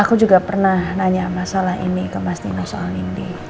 aku juga pernah nanya masalah ini ke mas dino soal ini